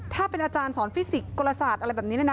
ถ้าเป็นอาจารย์สอนฟิสิกสลศาสตร์อะไรแบบนี้เนี่ยนะ